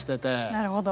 なるほど。